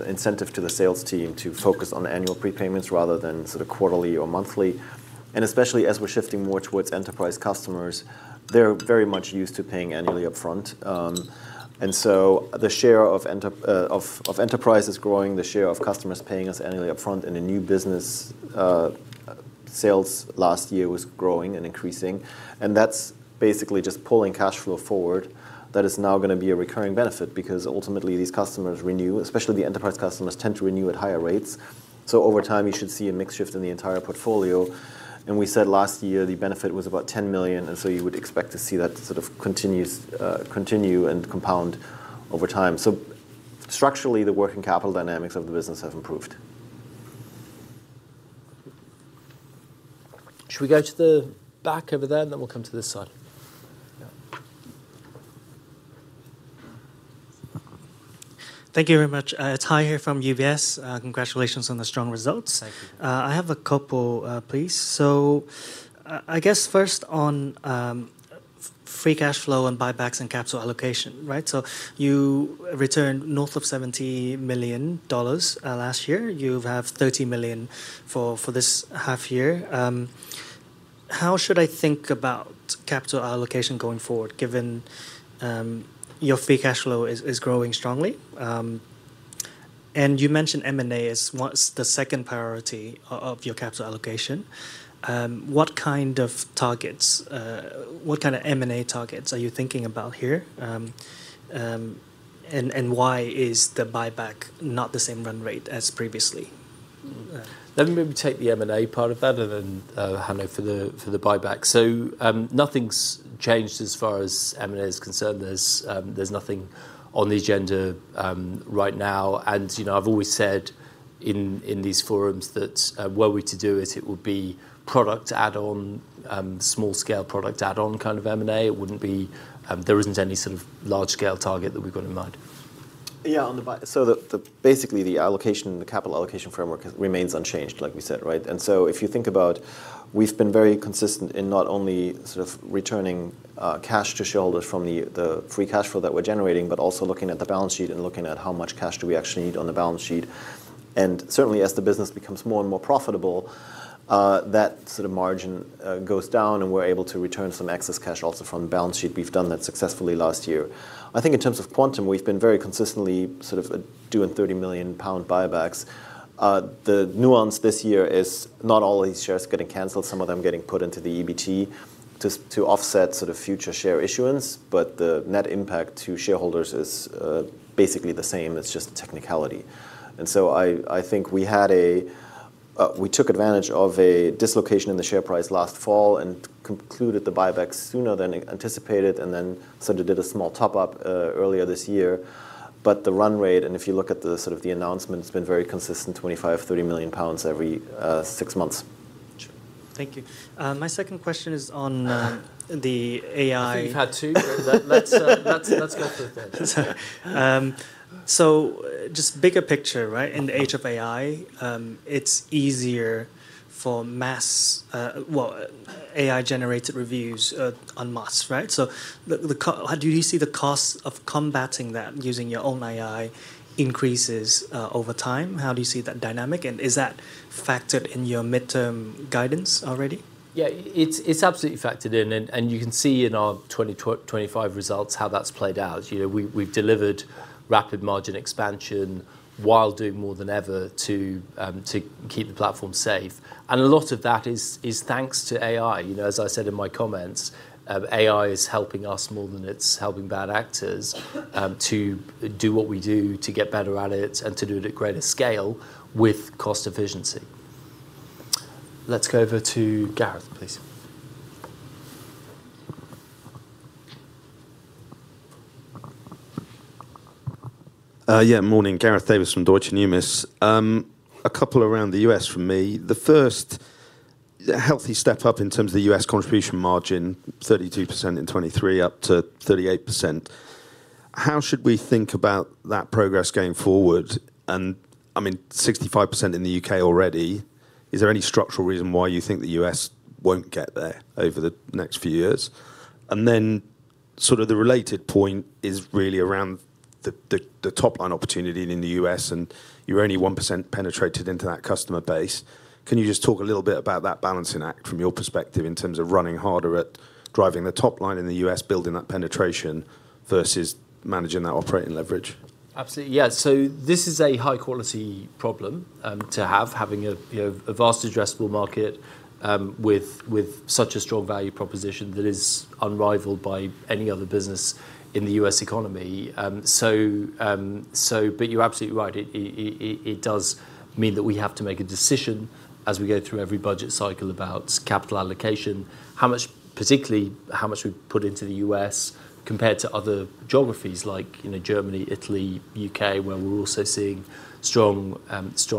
incentive to the sales team to focus on annual prepayments rather than sort of quarterly or monthly. Especially as we're shifting more towards enterprise customers, they're very much used to paying annually upfront. The share of enterprise is growing, the share of customers paying us annually upfront, and the new business sales last year was growing and increasing. That's basically just pulling cash flow forward that is now gonna be a recurring benefit because ultimately these customers renew, especially the enterprise customers tend to renew at higher rates. Over time, you should see a mix shift in the entire portfolio. We said last year the benefit was about $10 million, and so you would expect to see that sort of continue and compound over time. Structurally, the working capital dynamics of the business have improved. Should we go to the back over there, and then we'll come to this side? Thank you very much. Ty here from UBS. Congratulations on the strong results. Thank you. I have a couple, please. I guess first on free cash flow and buybacks and capital allocation, right? You returned north of $70 million last year. You have $30 million for this half year. How should I think about capital allocation going forward, given your free cash flow is growing strongly? You mentioned M&A is what's the second priority of your capital allocation. What kind of targets, what kind of M&A targets are you thinking about here? And why is the buyback not the same run rate as previously? Let me maybe take the M&A part of that, and then Hanno for the buyback. Nothing's changed as far as M&A is concerned. There's nothing on the agenda right now. You know, I've always said in these forums that, were we to do it would be product add-on small scale product add-on kind of M&A. It wouldn't be, there isn't any sort of large scale target that we've got in mind. On the buyback, basically the allocation, the capital allocation framework remains unchanged, like we said, right? If you think about, we've been very consistent in not only sort of returning cash to shareholders from the free cash flow that we're generating, but also looking at the balance sheet and looking at how much cash do we actually need on the balance sheet. Certainly as the business becomes more and more profitable, that sort of margin goes down and we're able to return some excess cash also from the balance sheet. We've done that successfully last year. I think in terms of quantum, we've been very consistently sort of doing 30 million pound buybacks. The nuance this year is not all these shares getting canceled, some of them getting put into the EBT to offset sort of future share issuance, but the net impact to shareholders is basically the same. It's just a technicality. I think we took advantage of a dislocation in the share price last fall and concluded the buyback sooner than anticipated, and then sort of did a small top-up earlier this year. The run rate, and if you look at the sort of the announcement, it's been very consistent, 25 million to 30 million pounds every six months. Sure. Thank you. My second question is on the AI- I think you've had two. Let's go for it then. Sorry. Just bigger picture, right? In the age of AI, it's easier for mass, well, AI-generated reviews en masse, right? How do you see the cost of combating that using your own AI increases over time? How do you see that dynamic, and is that factored in your midterm guidance already? Yeah. It's absolutely factored in and you can see in our 2025 results how that's played out. You know, we've delivered rapid margin expansion while doing more than ever to keep the platform safe. A lot of that is thanks to AI. You know, as I said in my comments, AI is helping us more than it's helping bad actors to do what we do, to get better at it, and to do it at greater scale with cost efficiency. Let's go over to Gareth, please. Morning. Gareth Davies from Deutsche Numis. A couple around the U.S. from me. The first, a healthy step up in terms of the U.S. contribution margin, 32% in 2023, up to 38%. How should we think about that progress going forward? I mean, 65% in the U.K. already. Is there any structural reason why you think the U.S. won't get there over the next few years? Then sort of the related point is really around the top line opportunity in the U.S., and you're only 1% penetrated into that customer base. Can you just talk a little bit about that balancing act from your perspective in terms of running harder at driving the top line in the U.S., building that penetration versus managing that operating leverage? Absolutely. Yeah. This is a high quality problem to have. Having a, you know, a vast addressable market with such a strong value proposition that is unrivaled by any other business in the U.S. economy. But you're absolutely right. It does mean that we have to make a decision as we go through every budget cycle about capital allocation, how much, particularly how much we put into the U.S. compared to other geographies like, you know, Germany, Italy, U.K., where we're also seeing strong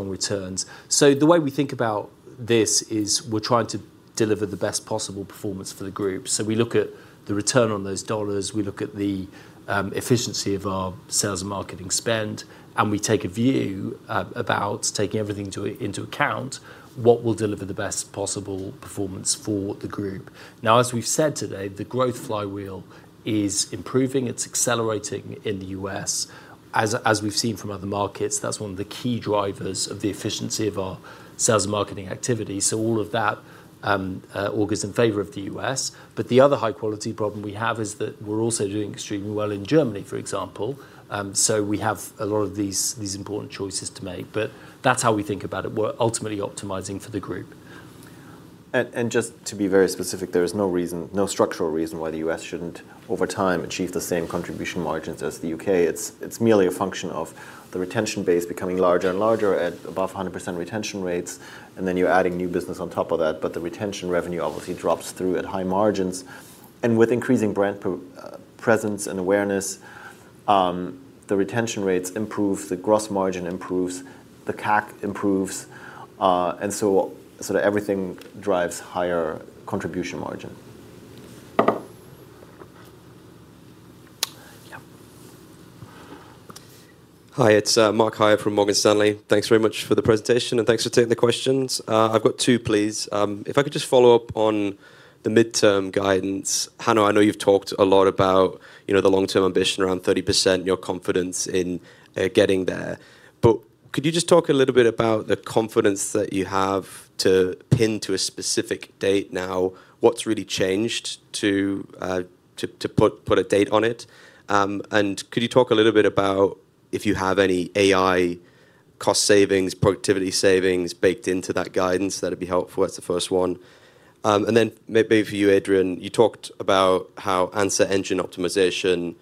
returns. The way we think about this is we're trying to deliver the best possible performance for the group. We look at the return on those dollars. We look at the efficiency of our sales and marketing spend, and we take a view about taking everything into account what will deliver the best possible performance for the group. Now, as we've said today, the growth flywheel is improving. It's accelerating in the U.S. As we've seen from other markets, that's one of the key drivers of the efficiency of our sales and marketing activity. All of that augurs in favor of the U.S. The other high quality problem we have is that we're also doing extremely well in Germany, for example. We have a lot of these important choices to make, but that's how we think about it. We're ultimately optimizing for the group. Just to be very specific, there is no reason, no structural reason why the U.S. shouldn't over time achieve the same contribution margins as the U.K. It's merely a function of the retention base becoming larger and larger at above 100% retention rates, and then you're adding new business on top of that. But the retention revenue obviously drops through at high margins. With increasing brand presence and awareness, the retention rates improve, the gross margin improves, the CAC improves, and so sort of everything drives higher contribution margin. Yeah. Hi, it's Mark Womack from Morgan Stanley. Thanks very much for the presentation, and thanks for taking the questions. I've got two, please. If I could just follow up on the midterm guidance. Hanno, I know you've talked a lot about, you know, the long-term ambition around 30%, your confidence in getting there. But could you just talk a little bit about the confidence that you have to pin to a specific date. Now what's really changed to put a date on it? And could you talk a little bit about if you have any AI cost savings, productivity savings baked into that guidance? That'd be helpful. That's the first one. Then maybe for you, Adrian, you talked about how Answer Engine Optimization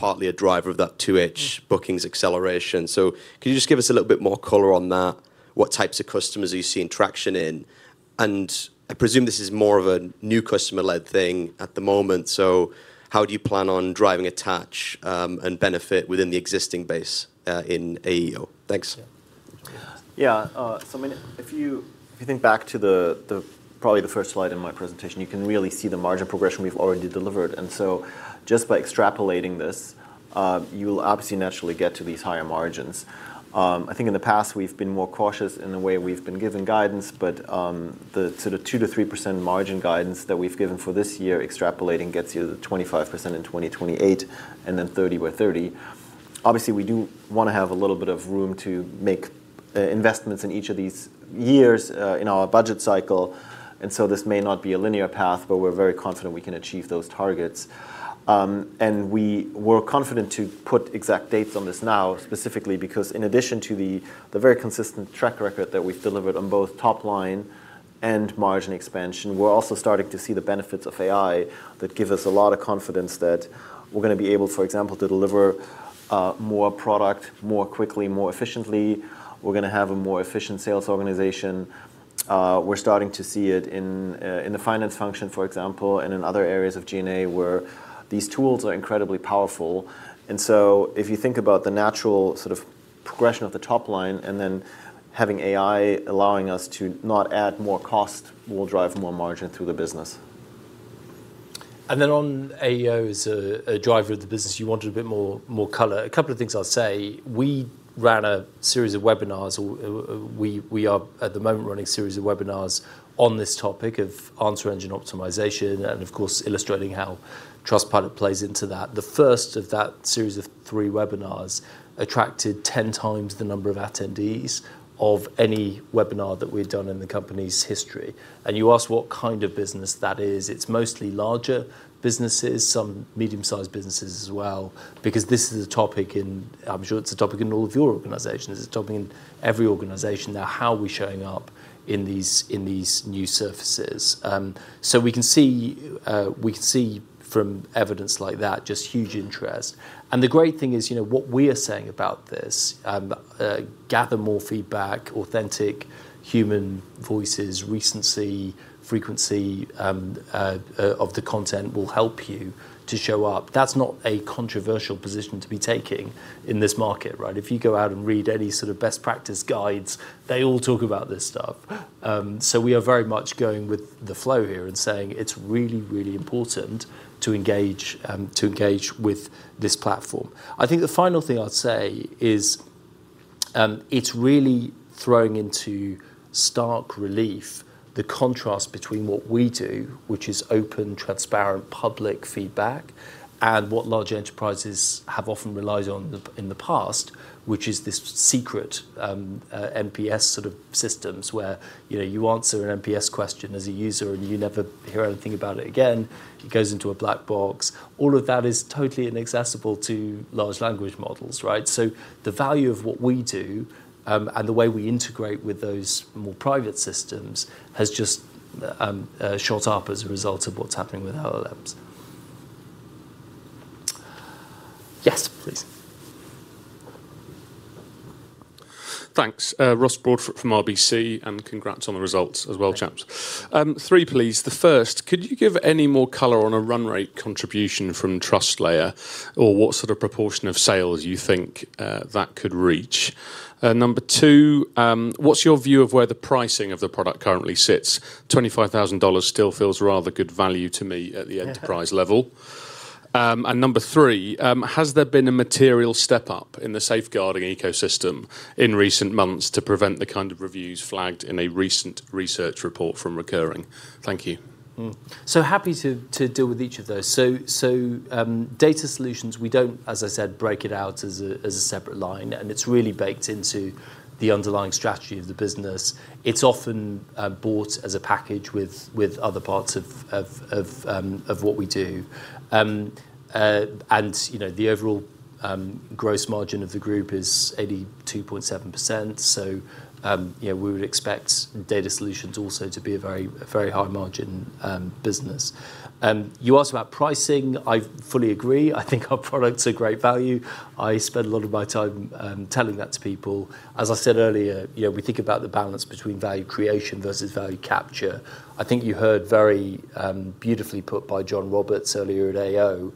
was partly a driver of that 2H bookings acceleration. Could you just give us a little bit more color on that? What types of customers are you seeing traction in? I presume this is more of a new customer-led thing at the moment, so how do you plan on driving attach and benefit within the existing base, in AEO? Thanks. Yeah. If you think back to probably the first slide in my presentation, you can really see the margin progression we've already delivered. Just by extrapolating this, you'll obviously naturally get to these higher margins. I think in the past, we've been more cautious in the way we've been given guidance, but the sort of 2%-3% margin guidance that we've given for this year extrapolating gets you to 25% in 2028 and then 30% by 2030. Obviously, we do wanna have a little bit of room to make investments in each of these years in our budget cycle, and so this may not be a linear path, but we're very confident we can achieve those targets. We were confident to put exact dates on this now, specifically because in addition to the very consistent track record that we've delivered on both top line and margin expansion, we're also starting to see the benefits of AI that give us a lot of confidence that we're gonna be able, for example, to deliver more product more quickly, more efficiently. We're gonna have a more efficient sales organization. We're starting to see it in the finance function, for example, and in other areas of G&A where these tools are incredibly powerful. If you think about the natural sort of progression of the top line and then having AI allowing us to not add more cost will drive more margin through the business. On AEO as a driver of the business, you wanted a bit more color. A couple of things I'll say. We ran a series of webinars. We are at the moment running a series of webinars on this topic of Answer Engine Optimization and, of course, illustrating how Trustpilot plays into that. The first of that series of three webinars attracted 10x the number of attendees of any webinar that we've done in the company's history. You ask what kind of business that is. It's mostly larger businesses, some medium-sized businesses as well, because this is a topic. I'm sure it's a topic in all of your organizations. It's a topic in every organization now, how we're showing up in these new surfaces. So we can see from evidence like that, just huge interest. The great thing is, you know, what we are saying about this, gather more feedback, authentic human voices, recency, frequency, of the content will help you to show up. That's not a controversial position to be taking in this market, right? If you go out and read any sort of best practice guides, they all talk about this stuff. We are very much going with the flow here and saying it's really, really important to engage with this platform. I think the final thing I'd say is, it's really throwing into stark relief the contrast between what we do, which is open, transparent, public feedback, and what large enterprises have often relied on in the past, which is this secret, NPS sort of systems where, you know, you answer an NPS question as a user, and you never hear anything about it again. It goes into a black box. All of that is totally inaccessible to large language models, right? The value of what we do, and the way we integrate with those more private systems has just shot up as a result of what's happening with LLMs. Yes, please. Thanks. Ross Broadfoot from RBC, and congrats on the results as well, chaps. Three, please. The first, could you give any more color on a run rate contribution from TrustLayer or what sort of proportion of sales you think that could reach? Number two, what's your view of where the pricing of the product currently sits? $25,000 still feels rather good value to me at the enterprise level. And number three, has there been a material step up in the safeguarding ecosystem in recent months to prevent the kind of reviews flagged in a recent research report from recurring? Thank you. Happy to deal with each of those. Data solutions, we don't, as I said, break it out as a separate line, and it's really baked into the underlying strategy of the business. It's often bought as a package with other parts of what we do. You know, the overall gross margin of the group is 82.7%. You know, we would expect data solutions also to be a very high margin business. You asked about pricing. I fully agree. I think our products are great value. I spend a lot of my time telling that to people. As I said earlier, you know, we think about the balance between value creation versus value capture. I think you heard very beautifully put by John Roberts earlier at AO,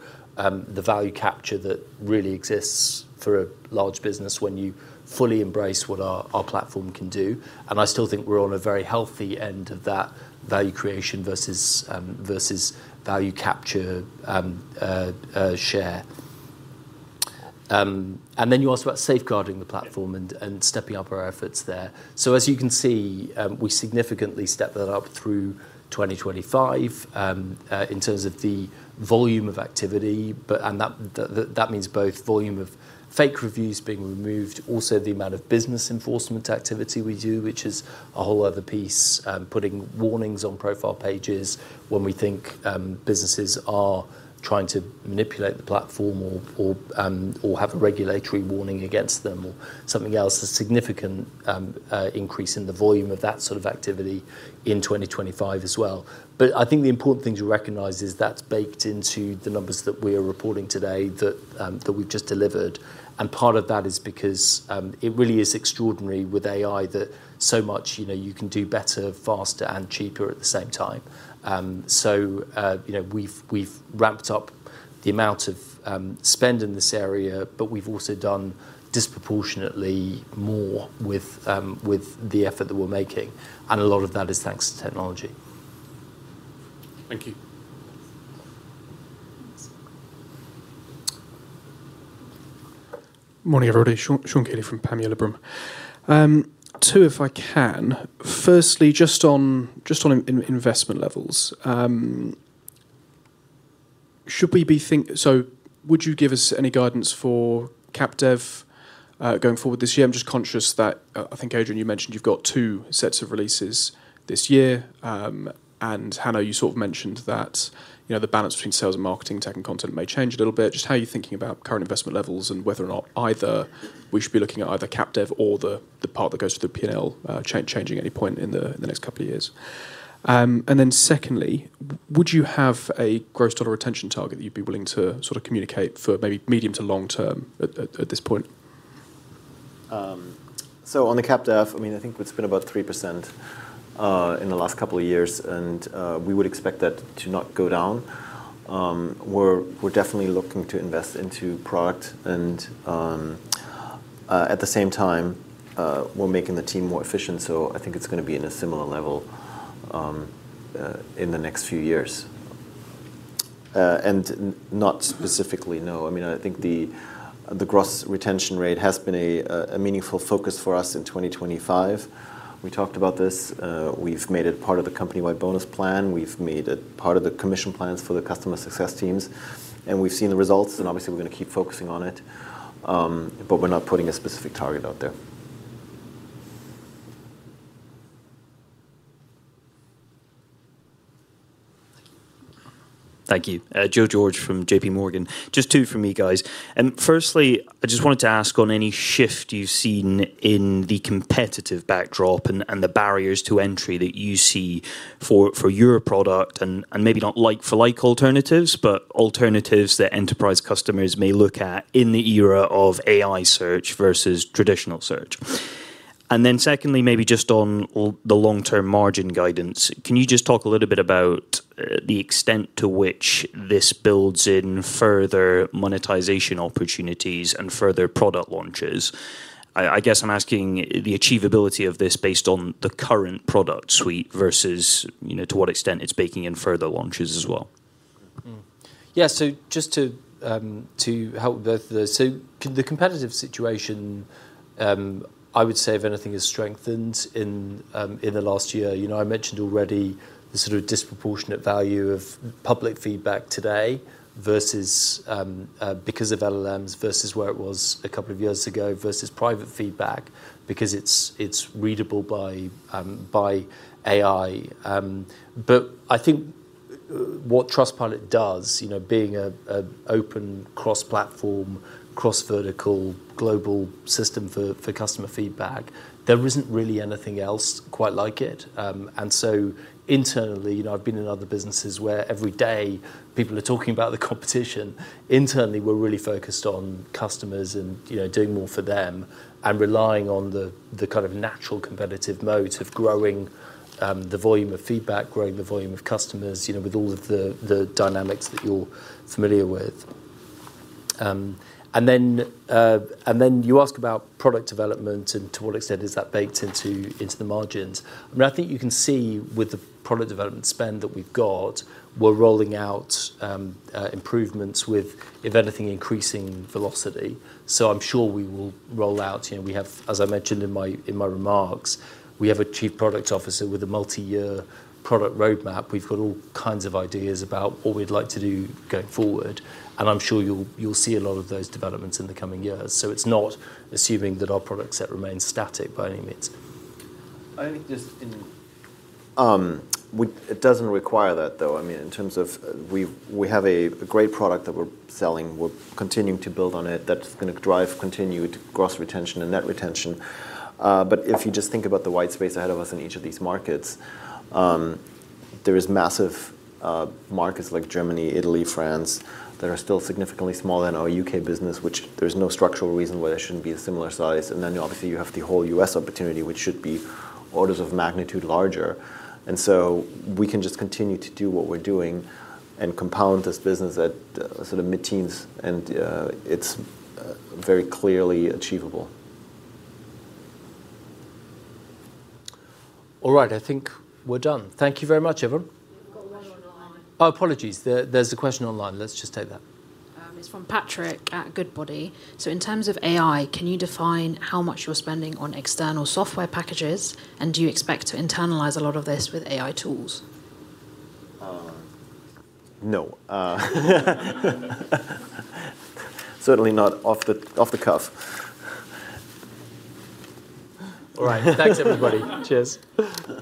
the value capture that really exists for a large business when you fully embrace what our platform can do. I still think we're on a very healthy end of that value creation versus value capture share. Then you asked about safeguarding the platform and stepping up our efforts there. As you can see, we significantly step that up through 2025 in terms of the volume of activity. That means both volume of fake reviews being removed, also the amount of business enforcement activity we do, which is a whole other piece, putting warnings on profile pages when we think businesses are trying to manipulate the platform or have a regulatory warning against them or something else. A significant increase in the volume of that sort of activity in 2025 as well. I think the important thing to recognize is that's baked into the numbers that we are reporting today that we've just delivered. Part of that is because it really is extraordinary with AI that so much, you know, you can do better, faster, and cheaper at the same time. You know, we've ramped up the amount of spend in this area, but we've also done disproportionately more with the effort that we're making, and a lot of that is thanks to technology. Thank you. Morning, everybody. Sean Kealy from Panmure Liberum. Two, if I can. Firstly, just on investment levels. Would you give us any guidance for cap dev going forward this year? I'm just conscious that, I think, Adrian, you mentioned you've got two sets of releases this year. Hanno, you sort of mentioned that, you know, the balance between sales and marketing, tech, and content may change a little bit. Just how are you thinking about current investment levels and whether or not either we should be looking at either cap dev or the part that goes to the P&L changing any point in the next couple of years. Secondly, would you have a Gross Dollar Retention target that you'd be willing to sort of communicate for maybe medium to long term at this point? So on the cap dev, I mean, I think it's been about 3% in the last couple of years, and we would expect that to not go down. We're definitely looking to invest into product, and at the same time, we're making the team more efficient, so I think it's gonna be in a similar level in the next few years. Not specifically, no. I mean, I think the gross retention rate has been a meaningful focus for us in 2025. We talked about this. We've made it part of the company-wide bonus plan. We've made it part of the commission plans for the customer success teams. We've seen the results, and obviously we're gonna keep focusing on it. But we're not putting a specific target out there. Thank you. Thank you. Joe George from JPMorgan. Just two from me, guys. Firstly, I just wanted to ask on any shift you've seen in the competitive backdrop and the barriers to entry that you see for your product and maybe not like for like alternatives, but alternatives that enterprise customers may look at in the era of AI search versus traditional search. Then secondly, maybe just on the long-term margin guidance. Can you just talk a little bit about the extent to which this builds in further monetization opportunities and further product launches? I guess I'm asking the achievability of this based on the current product suite versus, you know, to what extent it's baking in further launches as well. The competitive situation, I would say if anything has strengthened in the last year. You know, I mentioned already the sort of disproportionate value of public feedback today versus because of LLMs, versus where it was a couple of years ago, versus private feedback because it's readable by AI. But I think what Trustpilot does, you know, being an open cross-platform, cross-vertical, global system for customer feedback, there isn't really anything else quite like it. Internally, you know, I've been in other businesses where every day people are talking about the competition. Internally, we're really focused on customers and, you know, doing more for them and relying on the kind of natural competitive mode of growing the volume of feedback, growing the volume of customers, you know, with all of the dynamics that you're familiar with. You ask about product development and to what extent is that baked into the margins. I mean, I think you can see with the product development spend that we've got, we're rolling out improvements with, if anything, increasing velocity. I'm sure we will roll out. You know, we have, as I mentioned in my remarks, we have a chief product officer with a multi-year product roadmap. We've got all kinds of ideas about what we'd like to do going forward, and I'm sure you'll see a lot of those developments in the coming years. It's not assuming that our product set remains static by any means. I think just in. It doesn't require that, though. I mean, in terms of we have a great product that we're selling. We're continuing to build on it. That's gonna drive continued gross retention and net retention. But if you just think about the white space ahead of us in each of these markets, there is massive markets like Germany, Italy, France, that are still significantly smaller than our U.K. business, which there's no structural reason why they shouldn't be a similar size. And then obviously, you have the whole U.S. opportunity, which should be orders of magnitude larger. We can just continue to do what we're doing and compound this business at sort of mid-teens, and it's very clearly achievable. All right. I think we're done. Thank you very much, everyone. We've got one online. Oh, apologies. There's a question online. Let's just take that. It's from Patrick at Goodbody. In terms of AI, can you define how much you're spending on external software packages, and do you expect to internalize a lot of this with AI tools? No. Certainly not off the cuff. All right. Thanks, everybody. Cheers.